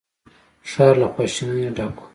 ښار له خواشينۍ ډک و.